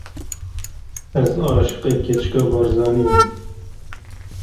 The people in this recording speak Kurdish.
Ez aşiqê keçika Barzanî me!